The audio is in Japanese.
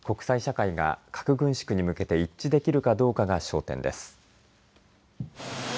国際社会が核軍縮に向けて一致できるかどうかが焦点です。